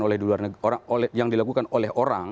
oleh orang lain di luar negeri